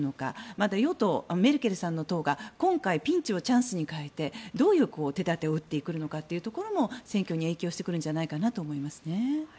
また、与党メルケルさんの党が今回、ピンチをチャンスに変えてどういう手立てを打っていくのかも選挙に影響してくるんじゃないかと思います。